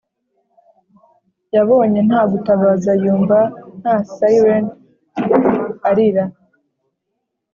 yabonye nta gutabaza, yumva nta siren arira,